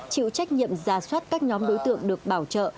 chịu trách nhiệm ra soát các nhóm đối tượng được bảo trợ